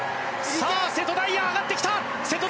瀬戸大也、上がってきた！